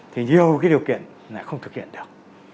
thì nhiều cái điều kiện lại không thực hiện được